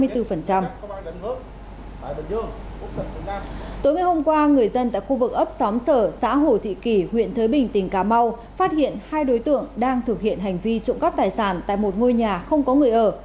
tối ngày hôm qua người dân tại khu vực ấp xóm sở xã hồ thị kỷ huyện thới bình tỉnh cà mau phát hiện hai đối tượng đang thực hiện hành vi trộm cắp tài sản tại một ngôi nhà không có người ở